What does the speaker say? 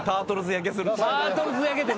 『タートルズ』焼けする。